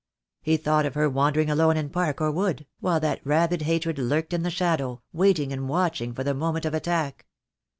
He thought of her wandering alone in park or wood, while that rabid hatred lurked in the shadow, waiting and watching for the moment of attack.